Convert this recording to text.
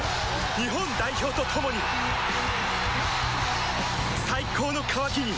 日本代表と共に最高の渇きにＤＲＹ